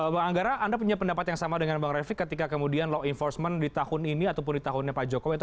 bang anggara anda punya pendapat yang sama dengan bang reflik ketika kemudian law enforcement di tahun ini ataupun di tahunnya pak jokowi